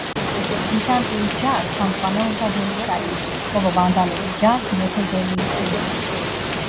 ბიზანტიის ჯარს ხელმძღვანელობდა ველისარიუსი, ხოლო ვანდალების ჯარს მეფე გელიმერი.